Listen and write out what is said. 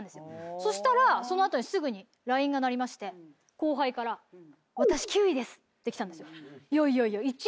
そしたらその後にすぐにＬＩＮＥが鳴りまして後輩から。って来たんですよいやいや。